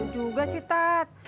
juga sih tat